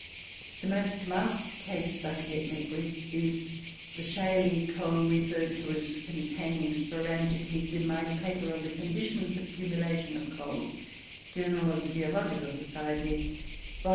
The most marked case I have yet met with is the shaly coal referred to as containing Sporangites in my paper on the conditions of accumulation of coal ("Journal of the Geological Society," vol.